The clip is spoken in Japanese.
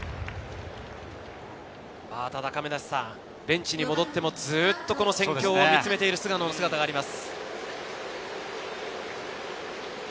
ベンチに戻ってもずっと戦況を見つめている菅野の姿があります。